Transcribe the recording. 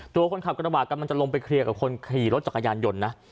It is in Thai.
ตัวคนขับกระบาดกำลังจะลงไปเคลียร์กับคนขี่รถจักรยานยนต์นะ